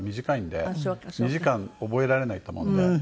２時間覚えられないと思うんで。